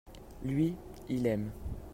lui, il aime.